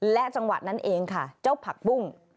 และจังหวะนั้นเองค่ะเจ้าผักปุ้ง